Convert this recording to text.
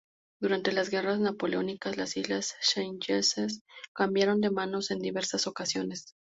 Durante las Guerras Napoleónicas las islas Seychelles cambiaron de manos en diversas ocasiones.